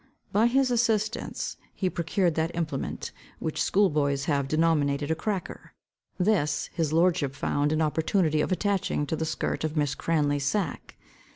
By his assistance he procured that implement, which school boys have denominated a cracker. This his lordship found an opportunity of attaching to the skirt of Miss Cranley's sack.